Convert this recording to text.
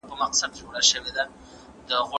طریقه باید د کلتوري اړیکو په رڼا کي وي.